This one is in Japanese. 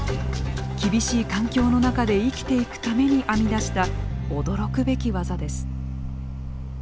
厳しい環境の中で生きていくために編み出した驚くべき技です。